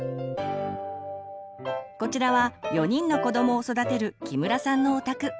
こちらは４人の子どもを育てる木村さんのお宅。